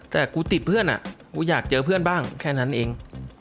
แต่กูติดเพื่อนกูอยากเจอเพื่อนบ้างแค่นั้นเอง